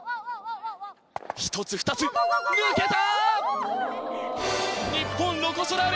１つ２つ抜けた！